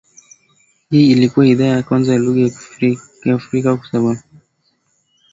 Hii ilikua idhaa ya kwanza ya lugha ya Kiafrika kuanzisha matangazo kupitia mitambo ya Sauti ya Amerika mjini Washington